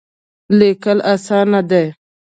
لیکل اسانه دی.